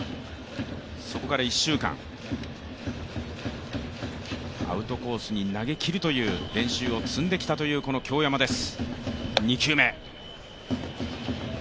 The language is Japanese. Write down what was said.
そこから１週間、アウトコースに投げきるという練習を積んできたというこの京山です。